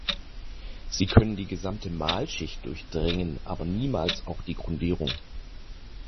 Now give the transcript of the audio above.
Sie können die gesamte Malschicht durchdringen aber niemals auch die Grundierung.